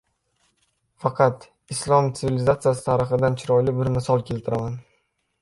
Faqat islom tsivilizatsiyasi tarixidan chiroyli bir misol keltiraman.